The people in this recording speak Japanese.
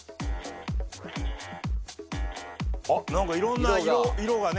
あっなんか色んな色がね。